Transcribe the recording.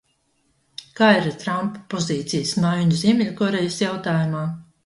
Kā ir ar Trampa pozīcijas maiņu Ziemeļkorejas jautājumā?